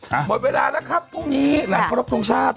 หมดเวลาแล้วครับพรุ่งนี้หลังครบทรงชาติ